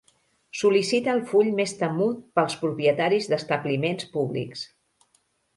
Sol·licita el full més temut pels propietaris d'establiments públics.